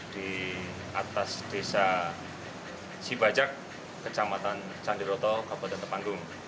di atas desa sibajak kecamatan candiroto kabupaten tepanggung